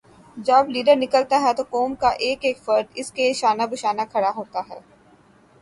جب لیڈر نکلتا ہے تو قوم کا ایک ایک فرد اسکے شانہ بشانہ کھڑا ہوتا ہے۔